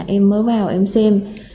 em mới vào em xem